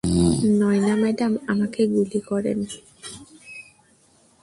Naina madam, আমাকে গুলি করেন!